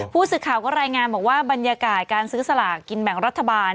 ผู้สื่อข่าวก็รายงานบอกว่าบรรยากาศการซื้อสลากกินแบ่งรัฐบาล